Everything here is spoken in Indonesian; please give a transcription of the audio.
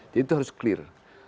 jadi itu harus clear